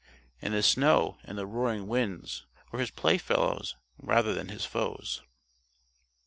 And the snow and the roaring winds were his playfellows rather than his foes.